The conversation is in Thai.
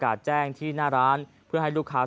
จำนวนนักท่องเที่ยวที่เดินทางมาพักผ่อนเพิ่มขึ้นในปีนี้